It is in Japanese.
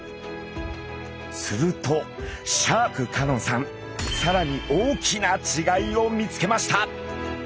するとシャーク香音さんさらに大きな違いを見つけました。